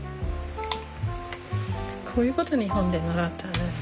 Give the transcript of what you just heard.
こういうこと日本で習ったよね。